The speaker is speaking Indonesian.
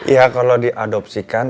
ya kalau diadopsikan